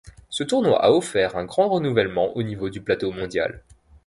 Ce tournoi a offert un grand renouvellement au niveau du plateau mondial.